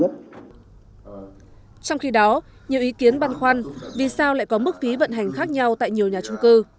trong khi đó nhiều ý kiến băn khoăn vì sao lại có mức phí vận hành khác nhau tại nhiều nhà trung cư